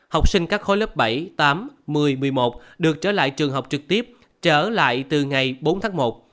học sinh các khối lớp bảy tám một mươi một mươi một được trở lại trường học trực tiếp trở lại từ ngày bốn tháng một